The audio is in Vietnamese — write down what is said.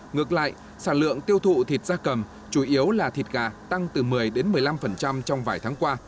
ngược lại sản lượng tiêu thụ thịt gia cầm chủ yếu là thịt gà tăng từ một mươi một mươi năm trong vài tháng qua